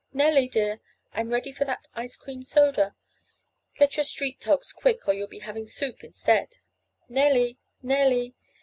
Nellie, dear! I'm ready for that ice cream soda. Get into your street togs quick or you'll be having soup instead—" "Nellie! Nellie!"